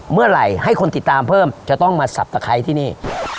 เมื่อไหร่ให้คนติดตามเพิ่มจะต้องมาที่นี่